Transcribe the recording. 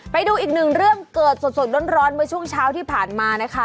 ไปดูอีกหนึ่งเรื่องเกิดสดร้อนเมื่อช่วงเช้าที่ผ่านมานะคะ